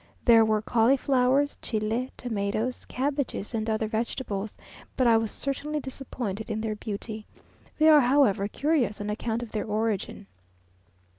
There were cauliflowers, chili, tomatoes, cabbages, and other vegetables, but I was certainly disappointed in their beauty. They are however curious, on account of their origin.